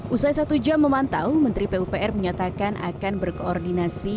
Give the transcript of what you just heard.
usai satu jam memantau menteri pupr menyatakan akan berkoordinasi